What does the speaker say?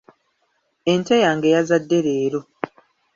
Ente yange yazadde leero.